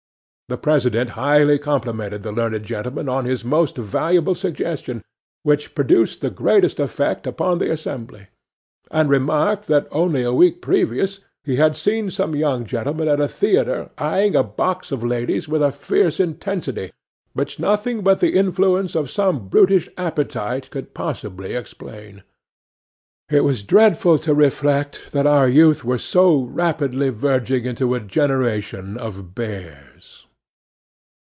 'THE PRESIDENT highly complimented the learned gentleman on his most valuable suggestion, which produced the greatest effect upon the assembly; and remarked that only a week previous he had seen some young gentlemen at a theatre eyeing a box of ladies with a fierce intensity, which nothing but the influence of some brutish appetite could possibly explain. It was dreadful to reflect that our youth were so rapidly verging into a generation of bears.